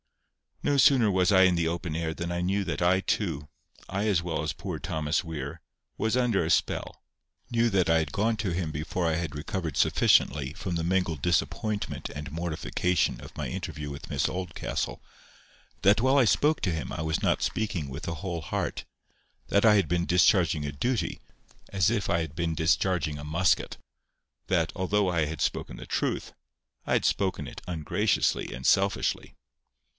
No sooner was I in the open air than I knew that I too, I as well as poor Thomas Weir, was under a spell; knew that I had gone to him before I had recovered sufficiently from the mingled disappointment and mortification of my interview with Miss Oldcastle; that while I spoke to him I was not speaking with a whole heart; that I had been discharging a duty as if I had been discharging a musket; that, although I had spoken the truth, I had spoken it ungraciously and selfishly.